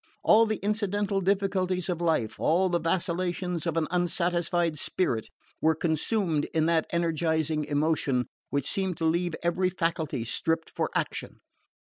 All the incidental difficulties of life, all the vacillations of an unsatisfied spirit, were consumed in that energising emotion which seemed to leave every faculty stripped for action.